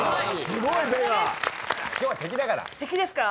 すごい。敵ですか？